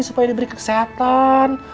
supaya diberi kesehatan